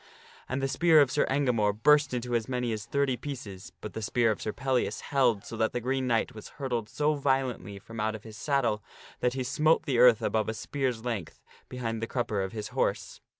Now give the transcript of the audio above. And the spear of Sir Engamore burst into as many gamore. ^ s ^i^y pieces, but the spear of Sir Pellias held so that the Green Knight was hurtled so violently from out of his saddle that he smote the earth above a spear's length behind the crupper of his horse.